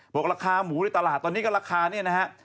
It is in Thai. บอกว่าราคามูในตลาดตอนนี้ก็ราคานี้นะฮะ